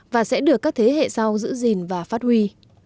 và sẽ được các thế hệ sau giữ gìn và phát huy